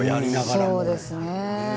そうですね。